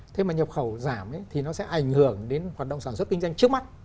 thế mà nhập khẩu giảm thì nó sẽ ảnh hưởng đến hoạt động sản xuất kinh doanh trước mắt